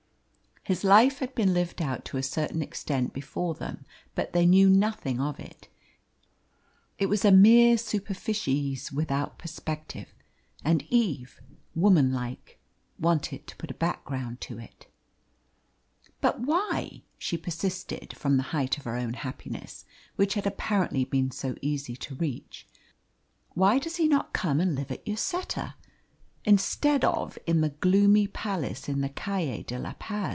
His life had been lived out to a certain extent before them, but they knew nothing of it; it was a mere superficies without perspective, and Eve, woman like, wanted to put a background to it. "But why," she persisted, from the height of her own happiness, which had apparently been so easy to reach, "why does he lead such a lonely, gloomy life? Why has he so few friends? Why does he not come and live at Lloseta instead of in the gloomy palace in the Calle de la Paz?"